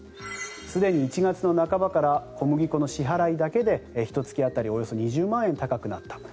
すでに１月の半ばから小麦粉の支払いだけでひと月当たりおよそ２０万円高くなった。